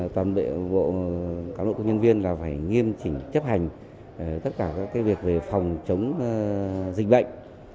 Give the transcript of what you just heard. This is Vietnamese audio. toàn bộ cán bộ công nhân viên là phải nghiêm chỉnh chấp hành tất cả các việc về phòng chống dịch bệnh